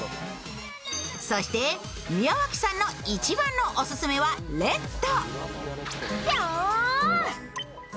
そして宮脇さんの一番のオススメは、ＲＥＤ。